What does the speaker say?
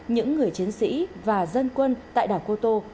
những người chiến sĩ và dân quân tại đảng cô tô